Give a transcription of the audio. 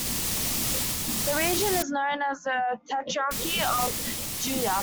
This region is known as the Tetrarchy of Judea.